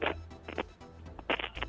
ya itu proses juga